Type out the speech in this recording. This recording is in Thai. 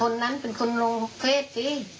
คนนั้นเป็นคนลงเทศสิ